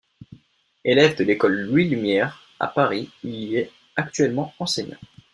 Élève de l'École Louis-Lumière à Paris, il y est actuellement enseignant.